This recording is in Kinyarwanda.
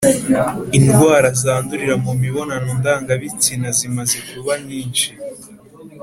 indwara zandurira mu mibonano ndangabitsina zimaze kuba nyinshi